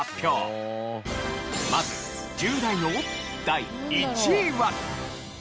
まず１０代の第１位は。